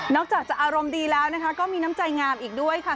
จากจะอารมณ์ดีแล้วนะคะก็มีน้ำใจงามอีกด้วยค่ะ